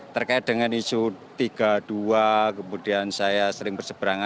terkait dengan isu tiga dua kemudian saya sering berseberangan